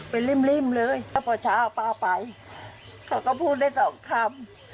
เป็นริ่มเลยแล้วพอเช้าป้าไปเขาก็พูดได้สองคำ